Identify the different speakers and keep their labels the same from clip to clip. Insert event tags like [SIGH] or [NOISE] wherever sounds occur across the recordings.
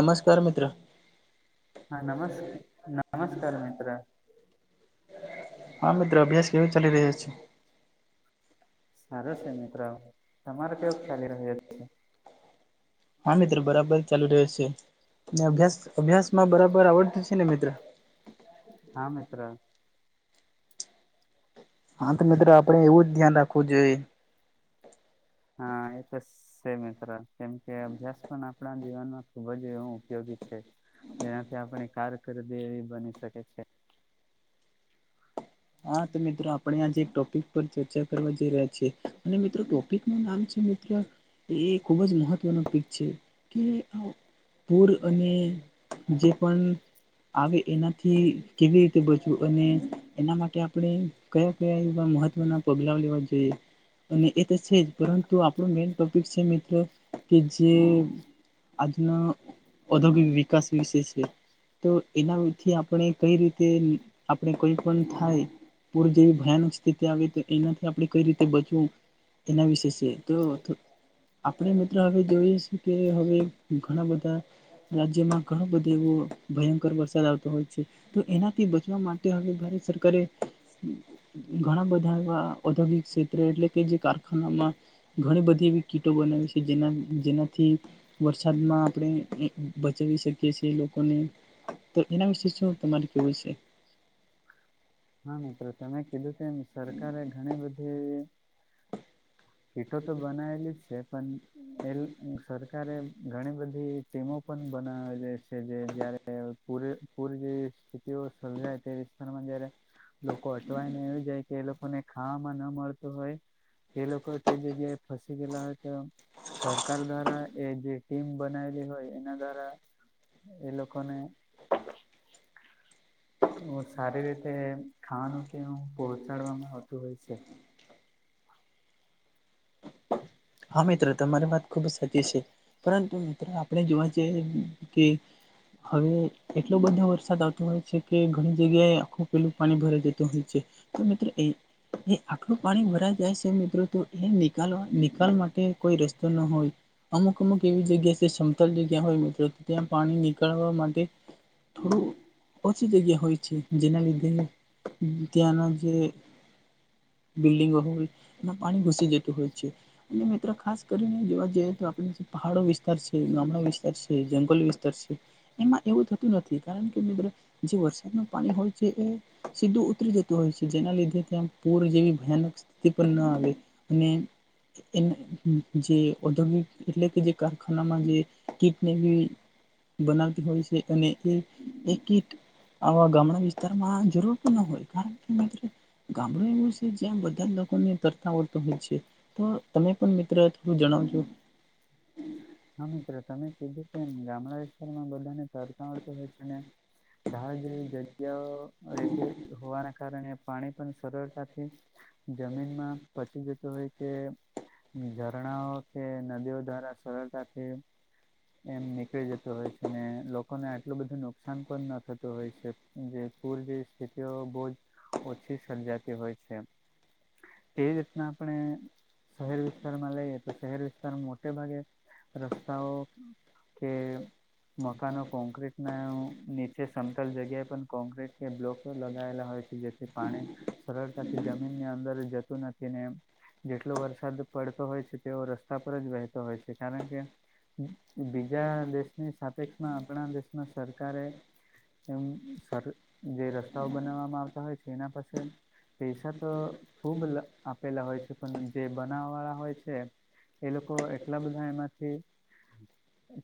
Speaker 1: નમસ્કાર મિત્ર
Speaker 2: હા નમસ્ નમસ્કાર મિત્ર
Speaker 1: હા મિત્ર અભ્યાસ કેવી ચાલી રહ્યો છે
Speaker 2: સારો છે મિત્ર તમારો કેવો ચાલી રહ્યો છે
Speaker 1: હા મિત્ર બરાબર ચાલી રહ્યો છે અભ્યાસ અભ્યાસ માં બરાબર આવડતું છે ને મિત્ર
Speaker 2: હા મિત્ર
Speaker 1: હા તો મિત્ર આપડે એવું જ ધ્યાન રાખવું જોઈએ
Speaker 2: હા એ તો છે મિત્ર કેમકે અભ્યાસ પણ આપણા જીવનમાં ખુબ જ ઉપયોગી છે જેનાથી આપણી કારકર્દી એવી બની શકે છે
Speaker 1: હા તો મીત્ર આપ આપ આજે એક ટોપિક પર ચર્ચા કરવા જઈ રહ્યા છીએ અને મિત્ર ટોપિક નું નામ છે મિત્ર એ ખૂબ જ મહત્વનો પિક છે કે પૂર અને જે પણ આવે એનાથી કેવી રીતે બચવું અને એના માટે કે આપણે કયા કયા એવા મહત્વના પગલા લેવા જોઈએ અને એ તો છે જ પરંતુ આપણું મેન ટોપિક છે મિત્ર કે જે આજ ના ઓધોગી વિકાસ વિશે છે તો એનાથી આપણે કઈ રીતે આપણે કઈ પણ થાય પૂર જેવી ભયાનક સ્થિતિ આવે તો એનાથી આપણે કઈ રીતે બચવું એના વિશે છે તો આપણે મિત્ર હવે જોઈએ છીકે હવે ઘણા બધા રાજ્યમાં ઘણો બધો એવો ભયંકર વરસાદ આવતો હોય છે તો એનાથી બચવા માટે તે હવે ભારત સરકારે ઘણા બધા એવા ઔદ્યોગિક ક્ષેત્ર એટલે કે જે કારખાનામાં ઘણી બધી એવી કીટો બને છે જેના જેનાથી વરસાદમાં આપણે બચાવી શકીએ છીએ લોકોને તો એના વિશે શું તમારી [UNINTELLIGIBLE]
Speaker 2: હા મિત્ર તમે કીધું કે સરકારે ઘણી બધી વીકતો બનાયેલી જ છે પણ એ સરકારે ઘણી બધી ટીમો પણ બનાવેલી છે જે જયારે પૂર પૂર જે સ્થિતિઓ સર્જાય તે વિસ્તારમાં જયારે લોકો અટવાયને એવ જાય કે એ લોકોને ખાવામાં ન મળતું હોય એ લોકો તે જગ્યાએ ફસી ગેલા હોય તો સરકાર દ્વારા એ જે ટીમ બનાવેલી હોય એના દ્વારા એ લોકોને
Speaker 1: [INAUDIBLE]
Speaker 2: સારી રીતે ખાવાનું કેવું પહોંચાડવામાં આવતું હોય છે [INAUDIBLE]
Speaker 1: હા મિત્ર તમારી વાત ખુબ જ સાચી છે પરંતુ મિત્ર આપણે જોવા જઇ કે હવે એટલો બધો વરસાદ આવતો હોય છે કે ઘણી જગ્યાએ આખું પેલું પાણી ભરાઈ જતું હોય છે તો મિત્રો એ આખલું પાણી ભરાઈ જાય છે મિત્રો તો એ નિકાલવા કે કોઈ રસ્તો ન હોય અમુક અમુક એવી જગ્યા જે સમતલ જગ્યા હોય મિત્રો ત્યાં પાણી નીકળવા માટે થોડું ઓછી જગ્યા હોય છે જેના લીધે ત્યાંના જે બિલ્ડિંગ ઓ હોલ અને પાણી ઘુસી જતુ હોય છે. અને મિત્રો ખાસ કરીને જોવા જઈએ તો આપ પહાડો વિસ્તાર છે, ગામડા વિસ્તાર છે, જંગલી વિસ્તાર છે. એમાં એવું થતું નથી કારણ કે મિત્ર જે વરસાદનું પાણી હોય છે એ સીધું ઉતરી જતું હોય છે જેના લીધે ત્યાં પૂર જેવી ભયાનક પણ ના આવે અને એ જે ઔદ્યોગિક એટલે કે જે કારખાનામાં જે કીટને બનાવતી હોય છે અને એ એક કીટ આવા ગામડા વિસ્તારમાં જરૂર પણ ના હોય કારણ કે ગામડું એવું છે જ્યાં બધા લોકોને તરતા આવડતો હોય છે તો તમે પણ મિત્રો એ થોડું જણાવજો
Speaker 2: હા મિત્રો તમે કીધું કેમ ગામડા વિસ્તારમાં બધાને તરતા આવળતુ હોય છે ને ઢાળ જેવી જગ્યાઓ રહેેતી હોવાના કારણે પાણી પણ સરળતાથી જમીનમાં પહોચી જોતું હોય કે ઝરણાઓ કે નદીઓ દ્વારા સરળતા કે એમ નીકળી જતો હોય છે ને લોકોને આટલું બધું નુકસાન પણ ન થતું હોય છે જે પુર જે સ્થિતિઓ બોવજ ઓછી સર્જાતી હોય છે. તે રીતના આપણે શહેર વિસ્તારમાં લઈએ તો શહેર વિસ્તારમાં મોટે ભાગે રસ્તાઓ કે મકાનો કોંક્ર્રીટ ના નીચે સમતલ જગ્યાએ પણ કોન્ક્રીટ કે બ્લોક લગાવેલા હોય છે જેથી પાણી સરળતાથી જમીન ની અંદર જતું નથીને જેટલો વરસાદ પડતો હોય છે તેવો રસ્તા પર જ વહેતો હોય છે કારણ કે બીજા દેશની સાપેક્ષમાં આપણા દેશમાં સરકારે એમ સર જે રસ્તાઓ બનાવવામાં આવતા હોય છે એના પાછી પૈેસા તો ખૂબ લ આપેલા હોય છે પણ જે બનાવા વાળા હોય છે એ લોકો એટલા બધા એમાંથી હમ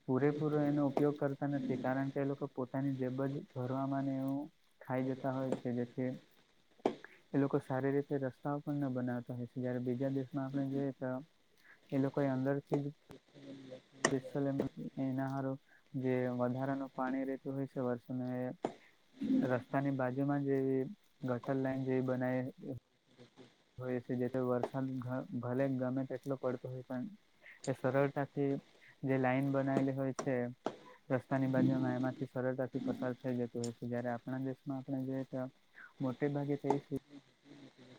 Speaker 2: પૂરેપૂરો એનો ઉપયોગ કરતા નથી કારણ કે એ લોકો પોતાની જેબજ ભરવામાં એવું ખાઈ જેતા હોય છે જેથી એ લોકો સારી રીતે રસ્તાઓ પણ ના બનાવતા હોય છે જયારે બીજા દેશમાં આપણે જોઈએ તો એ લોકો એ અંદરથી જ લ એના હારું જે વધારાનું પાણી રહેતું હોય છે વષૉને રસ્તાની બાજુ માં જેવી ગટર લાઈન જેવી બનાય હોય છે જેથી વરસાદ ભલે ગમે તેટલો પડતો હોય પણ એ સરળતાથી જે લાઈન બનાવેલી હોય છે. રસ્તાની બાજુમાં એમાંથી સરળતાથી. પસાર થઈ જતું હોય છે જયારે આપણા દેશમાં આપણે જોઈએ તો મોટે ભાગે થશ.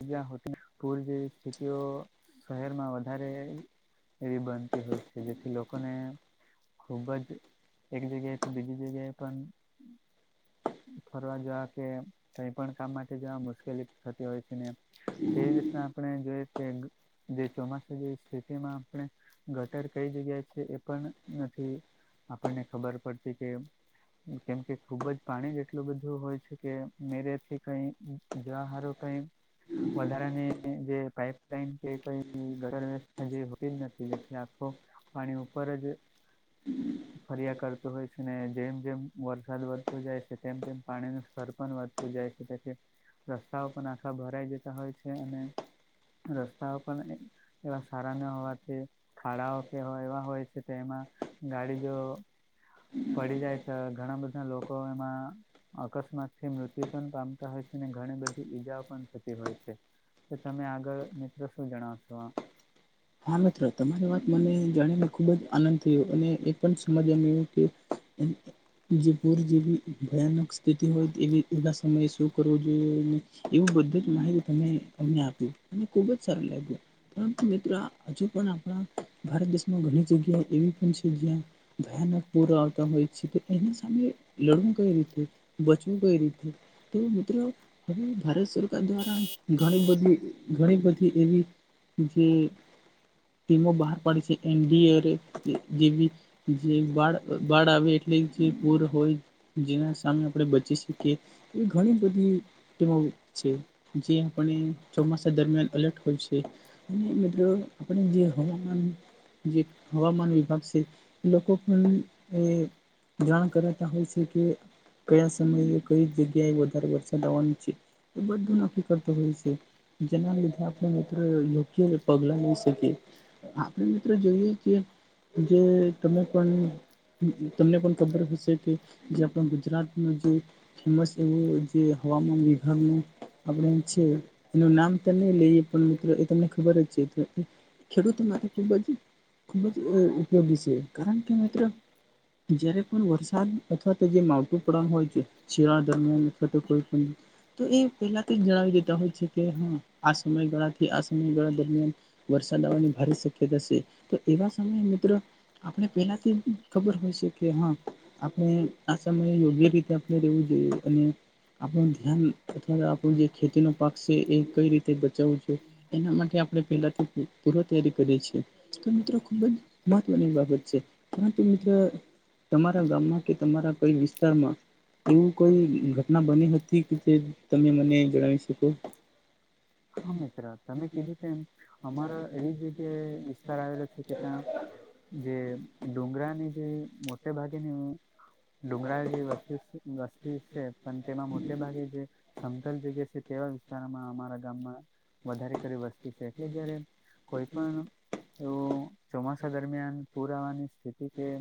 Speaker 2: જ્યા હોતીપુર જે સ્થિતિઓ. શહેરમાં વધારે એવી બનતી હોય છે જેથી લોકોને ખુબ જ એક જગ્યાએથી બીજી જગ્યાએ પણ ફરવા જવા કે કઈ પણ કામ માટે જવા મુશ્કેલી થતી હોય છે ને તે રીતના આપણે જોઈએ કે જે ચોમાસા જે સ્થિતિમાં આપણે ગટર કઈ જગ્યા છે એ પણ નથી આપણને ખબર પડતી કે કેમ કે ખુબ જ પાણી જ એટલું બધું હોય છે કે મેરેથી કઈ જવાહાટુ કઈ વધારાની જે પાઈપ કે કોઈ ગટર વ્યવસ્થા જે હોતી જ નથી જે આખો પાણી ઉપર જ ફર્યા કરતો હોય છે ને જેમ જેમ વરસાદ વધતો જાય છે તેમ તેમ પાણી નુ સ્તર પણ વધે જાય છે કે રસ્તાઓ પણ આખા ભરાઈ જતા હોય છે અને રસ્તાઓ પણ એવા સારા ના હોવાથી ખાડાઓ કે હોય એવા હોય છે તો એમાં ગાડી જો પડી જાય છે ઘણા બધા લોકો લોકો એમાં અકસ્માત થી મૃત્યુ પણ પામતા હોય છે અનેને ઘણી બધી ઈજાઓ પણ થતી હોય છે. તો તમે આગળ મિત્રો શું જણાવશો આ.
Speaker 1: હા મિત્ર તમારી વાત મને જાણીને ખૂબ જ આનંદ થયો અને એ પણ સમજમ્યું કે. જે પૂર જેવી ભયાનક સ્થિતિ હોય તેવી એવાા સમયે સુખ. કર જો એવ બધ. માહિતી તમે અમને આપી અને ખુબ જ સારું લાગ્યું પરંતુ મિત્રો આ. પણ આપણા ભારત દેશમાં ઘણી જગ્યા એવી પણ છે જ્યા. ભયાનક પૂરા આવતા હોય છે તો એના સામે લડવું કઈ રીતે. બચવું કઈ રીતે તો મિત્રો હવે ભારત સરકાર દ્વારા ઘણી બધી ઘણી. જે ટીમો બહાર પાડીે છે. જે જે બાળ બાળ આવે એટલે જે પૂર હોય. જેના સામે આપણે બચી શકીએ એવી ઘણી બધી. જે આપણે ચોમાસા દરમિયાન અલર્ટ હોય છે. એ મિત્રો આપણે જેવ હવાન. જે હવામાન વિભાગ છે લોકો પણ એ જાણ કરાતા હોય છે કે કયા સમયે કઈ જગ્યાએ વધારે વરસાદ આવવાનું છે એ બધું ન. તો હોય છે જેના લીધે આપણે મિત્રો યોગ્ય પગલા. આપણે મિત્રો જોઈએ કે જે તને પણ તમને પણ ખબર હશે કે જે આપણા ગુજરાતમાં જે-' ફેમસ એવું જે હવામાન વિભાગનું આપણેમ છે એનું નામ તો નહીં લઈએ પણ મિત્રો એ તમને ખબર જ છે તો. ખેડૂતો માટે ખૂબ જ ખૂબ જ ઉપયોગી છે કારણ કે મિત્રો. જયારે પણ વરસાદ અથવા તો જે માવઠું પડન હોય છે. છે આ દરમિયાન અથવા તો કોઈ પણ. તો એ પહેલા તો જણાવી દેતા હોય છે કે હા આ સમયગાળાથી આ સમયગાળા દરમિયાન. વરસાદ આવવાની ભારે શક્યતા છે તો એવા સમયે મિત્રો આપણે પેલાથી ખબર હોય છે કે હા આપણે આ સમયે યોગ્ય રીતે આપણે રહેેવું જોઈએ અને આપણું ધ્યાન આપણું જે ખેતી ન પાક છે એ કઈ રીતે બચાવવું જોઈએ એના માટે આપણે પેલાથી પૂર્વ તૈયારી કરે છે, તો મિત્રો ખુબ જ મહત્વની બાબત છે. પરંતુ મિત્ર-' તમારા ગામમાં કે તમારા કઈ વિસ્તારમાં એવું કોઈ ઘટના બની હતી કે તે
Speaker 2: હા મિત્ર તમે કીધું કે એમ અમારો એવી જ જગ્યા વિસ્તાર આવેલો છે કે ત્યાં જે ડુંગરાની જે મોટે ભાગેની ડુંગળ જે વસ્તુ વસ્તી છે પણ તેમાં મોટેભાગે જે સમતલ જગ્યા છે તેવા વિસ્તારમાં અમારા ગામમાં વધારે કરી વસ્તીુ છે. એટલે જયારે કોઈ પણ તો ચોમાસા દરમિયાન પૂર આવવાની સ્થિતિ છે.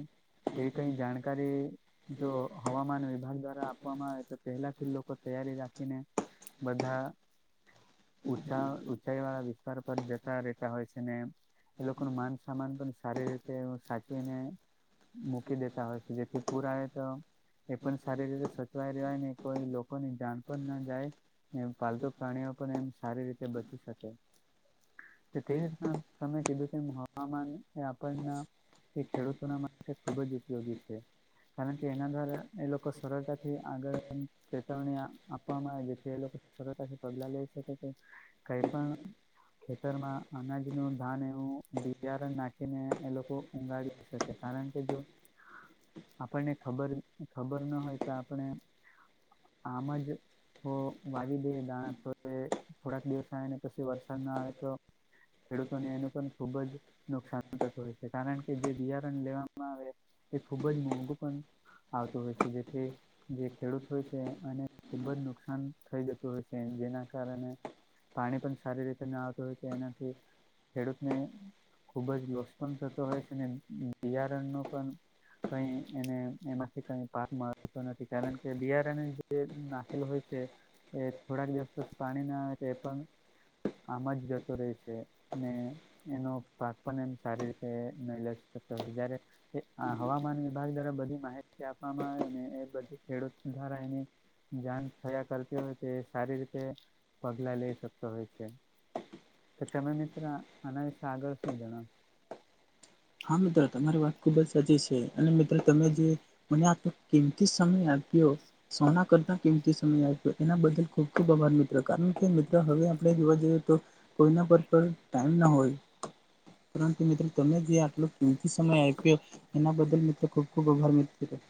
Speaker 2: એવી કઈ જાણકારી જો હવામાન વિભાગ દ્વારા આપવામાં આવે તો પહેલાથી લોકો તૈયારી રાખે. બધા ઉંછા ઉંચાઈ વાળા વિસ્તાર પર જતા રહેતા હોય છે ને એ લોકો ન માન સમાન પણ સારી રીતે સાચવીને મૂકી દેતા હોય છે, જેથી પુરા આવે તો એ પણ સારી રીતે સચવાઈ રહવાય ને કોઈ લોકો ની જાણ પણ ના જાય પાલતુ પ્રાણીઓ પણ એમ સારી રીતે બચી શકે. તે રીતના સમમે કીધું છે. હવામાન એ આપણના એ ખેડૂતોના માટે ખુબ જ ઉપયોગી કારણ કે એના દ્વારા એ લોકો સરળતાથી આગળ ચેતવણી આ આપ આવે જેથી એ લોકો સરતાથી પગલા લઈ શકે. કે કઈ પણ ખેતરમાં અનાજ નું ધાન એવું બિયારણ નાખીને એ લોકો ઉગાળ કે કારણ કે જો
Speaker 1: [UNINTELLIGIBLE]
Speaker 2: આપણને ખબર ખબર ના હોય તો આપણે આમ જ તો વાલી દે દણા તો હવે થોડાક દિવસ આવેને પછી વરસાદ ના આવે તો ખેડૂતોને એનું પણ ખુબ જ નુકસાન થતુ હોય છે. કારણ કે જે બિયારણ લેવામાં આવે એ ખૂબ જ મોંઘું પણ આવતું હોય છે જેથી જે ખેડૂત હોય છે અને ખૂબ જ નુ નુકસાન થઈ જતું હોય છે. જેના કારણે પાણી પણ સારી રીતે ના આવતું હોય તો એનાથી ખેડૂતને ખુબ જ લોસ પણ થતો હોય છે અને બિયારણનો પણ કઈ એને એમાંથી કઈ પાક મળતો નથી કારણ કે બિયારણ જે નાખેલ હોય. એ થોડાક દિવસ પાણી ના આવે એ પણ આમાં જ ગતો રહેે છે, ને એનો પાક પણ એમ સારી રીતે ન લ જયારે હવામાન વિભાગ દ્વારા બધી માહિતી આપવામાં આવે ને, એ બધી ખેડૂત સુધારા એની જાણ. થયા કરતી હોય તો, એ સારી રીતે પગલા લઈ શકતો હોય છે. કે તમે મિત્ર, આના વિશે આગળ શું જણાવ્યું?
Speaker 1: [UNINTELLIGIBLE] હા મિત્રો તમારી વાત ખુબ જ સાચી છે. અને મિત્રો તમે જે મને આ કિમતી સમય આપ્યો-' સોના કરતા કિંમતી એના બદલ ખુબ ખુબ આભાર મિત્રો કારણ કે મિત્ર હવે આપણે જોવા જઈએ તો કોઈના પર પર ટાઈમ ના હોય પરંતુ મિત્રો તમે જ્યા કીમતી સમય આપ્યું એના બદલ મિત્ર, ખૂબ ખૂબ આભાર.